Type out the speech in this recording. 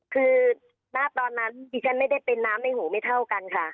คือณตอนนั้นดิฉันไม่ได้เป็นน้ำในหูไม่เท่ากันค่ะ